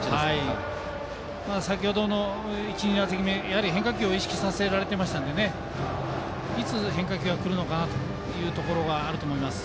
先程の１、２打席目は変化球を意識させられていましたのでいつ変化球が来るかなというところがあると思います。